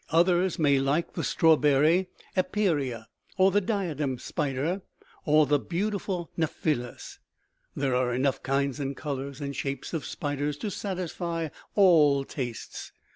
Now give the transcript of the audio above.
Others may like the strawberry Epeira, or the diadem spider, or the beautiful Nephilas. There are enough kinds and colors and shapes of spiders to satisfy all tastes.